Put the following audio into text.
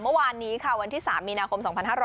เมื่อวานนี้ค่ะวันที่๓มีนาคม๒๕๖๐